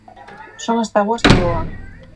Son as táboas que voan.